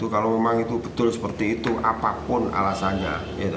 kalau memang itu betul seperti itu apapun alasannya